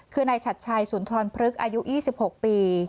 คือนายชัดชัยสุนทรพฤกษ์อายุ๒๖ปี